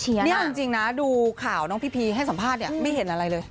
นี่เอาจริงนะดูข่าวน้องพีพีให้สัมภาษณ์เนี่ยไม่เห็นอะไรเลย